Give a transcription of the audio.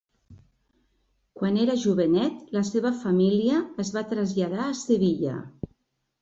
Quan era jovenet la seva família es va traslladar a Sevilla.